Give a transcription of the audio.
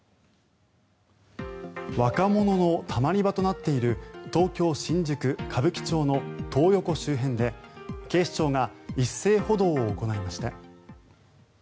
若者のたまり場となっている東京・新宿歌舞伎町のトー横周辺で警視庁が一斉補導を行いました。